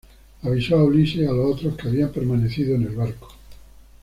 Avisó a Ulises y a los otros que habían permanecido en el barco.